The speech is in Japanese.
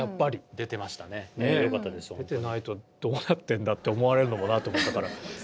出てないとどうなってんだって思われるのもなと思ったから。